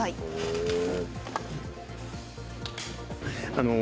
へえ。